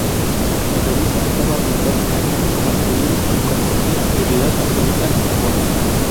La revista estaba orientada al público masculino y concedía prioridad absoluta al fútbol.